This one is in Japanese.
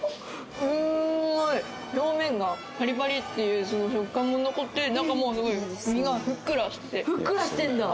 表面がパリパリっていうその食感も残って中もすごい身がふっくらしててふっくらしてんだ